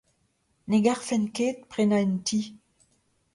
Ne garfen ket prenañ un ti.